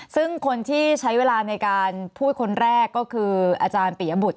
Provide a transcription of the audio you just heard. ซึ่งคนที่ใช้เวลาในการพูดคนแรกก็คืออาจารย์ปียบุตร